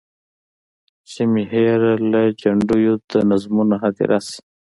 چي مي هېره له جنډیو د نظمونو هدیره سي.